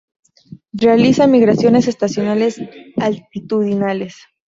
Realiza migraciones estacionales altitudinales.